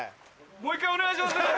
もう１回お願いします。